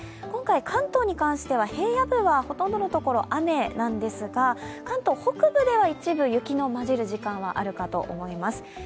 今回、関東に関しては平野部はほとんどのところ雨なんですが、関東北部では一部雪の交じるところがあると思います。